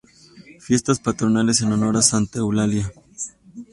Fiestas patronales en honor a Santa Eulalia.